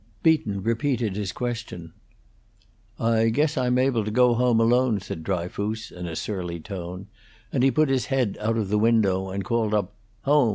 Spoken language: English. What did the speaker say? Beaton repeated his question. "I guess I'm able to go home alone," said Dryfoos, in a surly tone, and he put his head out of the window and called up "Home!"